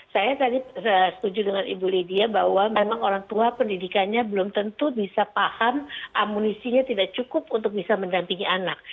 saya tadi setuju dengan ibu lydia bahwa memang orang tua pendidikannya belum tentu bisa paham amunisinya tidak cukup untuk bisa mendampingi anak